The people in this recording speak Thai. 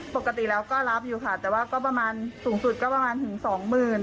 ปกติแล้วก็รับอยู่ค่ะแต่ว่าก็ประมาณสูงสุดก็ประมาณถึงสองหมื่น